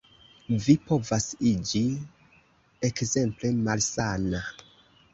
Vi povas iĝi ekzemple malsana.